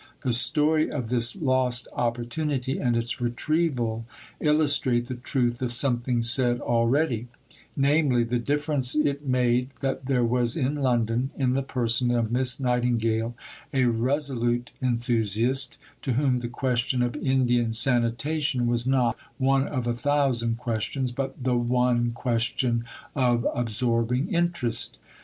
The story of this lost opportunity and its retrieval illustrate the truth of something said already; namely, the difference it made that there was in London, in the person of Miss Nightingale, a resolute enthusiast, to whom the question of Indian sanitation was not "one of a thousand questions," but the one question of absorbing interest.